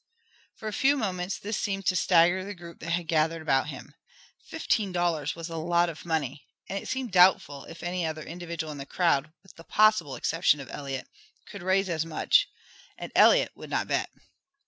For a few moments this seemed to stagger the group that had gathered about him. Fifteen dollars was a lot of money, and it seemed doubtful if any other individual in the crowd, with the possible exception of Eliot, could raise as much and Eliot would not bet.